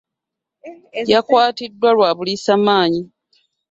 Yakwatiddwa lwa buliisa maanyi.